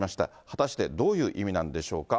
果たしてどういう意味なんでしょうか。